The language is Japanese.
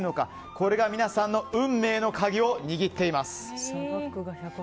これが皆さんの運命の鍵を握っています。